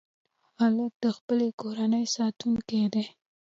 هلک د خپلې کورنۍ ساتونکی دی.